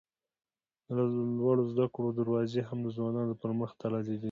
د لوړو زده کړو دروازې هم د ځوانانو پر مخ تړلي دي.